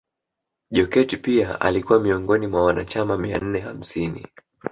Jokate pia alikuwa miongoni mwa wanachama mia nne hamsini